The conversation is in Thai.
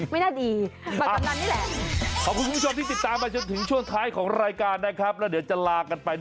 ไม่น่าดีมากำนันนี่แหละ